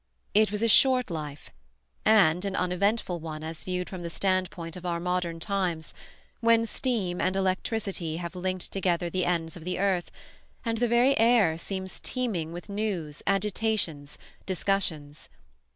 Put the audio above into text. It was a short life, and an uneventful one as viewed from the standpoint of our modern times, when steam and electricity have linked together the ends of the earth, and the very air seems teeming with news, agitations, discussions.